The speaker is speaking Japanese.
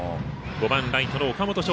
５番ライトの岡本昇